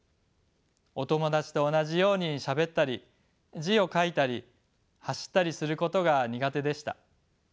お友達と同じようにしゃべったり字を書いたり走ったりすることが苦手でした。